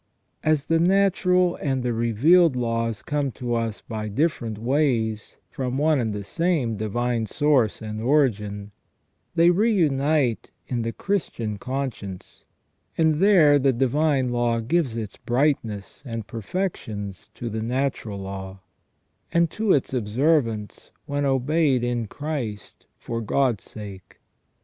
As the natural and the revealed laws come to us by different ways from one and the same divine source and origin, they reunite in the Christian conscience, and there the divine law gives its brightness and perfections to the natural law, and to its observance when obeyed in Christ for God's sake.